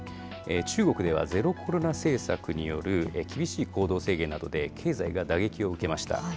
中国ではゼロコロナ政策による厳しい行動制限などで、経済が打撃を受けました。